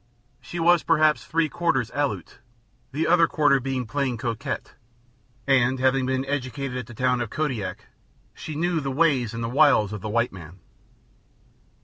She was perhaps three quarters Aleut, the other quarter being plain coquette, and, having been educated at the town of Kodiak, she knew the ways and the wiles of the white man.